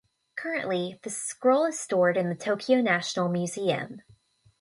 Currently, the scroll is stored in the Tokyo National Museum.